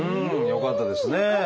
よかったです。